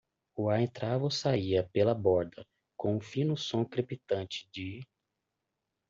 O ar entrava ou saía pela borda com um fino som crepitante de?.